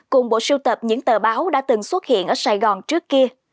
cùng bộ siêu tập những tờ báo đã từng xuất hiện ở sài gòn trước kia